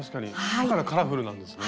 だからカラフルなんですね。